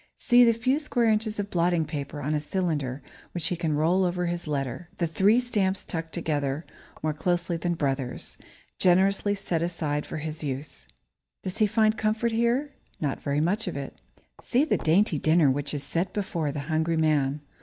See the few square inches of blotting paper on a cylinder which he can roll over his letter the three stamps stuck together more closely than brothers, generously set aside for his use. Does he find comfort here? Not very much of it. See the dainty dinner which is set before the hungry man.